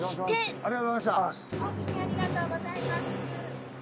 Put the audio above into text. おおきにありがとうございます。